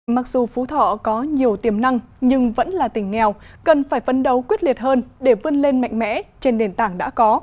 mặc dù phú thọ có nhiều tiềm năng nhưng vẫn là tỉnh nghèo cần phải phấn đấu quyết liệt hơn để vươn lên mạnh mẽ trên nền tảng đã có